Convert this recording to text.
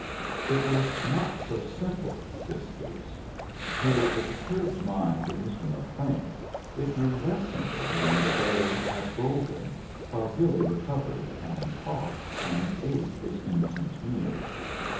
It was not so simple, this case. To the perturbed mind of Mr. HcLean it grew less simple during that day at Golden, while Billy recovered, and talked, and ate his innocent meals.